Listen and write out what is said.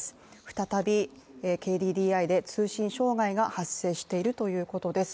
再びＫＤＤＩで通信障害が発生しているということです。